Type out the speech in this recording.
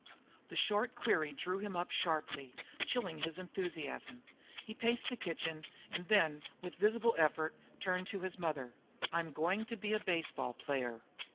The short query drew him up sharply, chilling his enthusiasm. He paced the kitchen, and then, with a visible effort, turned to his mother. "I am going to be a baseball player."